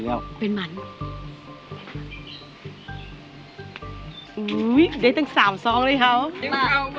โอ้โหได้ตั้ง๓ซองเลยครับ